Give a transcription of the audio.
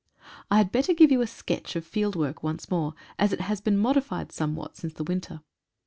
I had better give you a sketch of field work once more, as it has been modified somewhat since the winter.